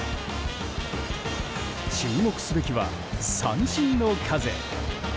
注目すべきは三振の数。